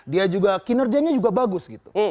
dia juga kinerjanya juga bagus gitu